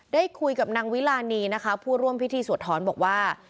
ได้คุยกับนางวิลานีนะคะผู้ร่วมพิธีสวดถอนบอกว่า